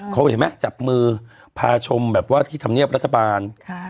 เขาอ้ะเห็นมั้ยจับมือพาชมโทรมเนียบของที่ธรรมเนียบรัฐบาล